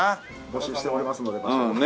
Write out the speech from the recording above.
募集しておりますので場所を。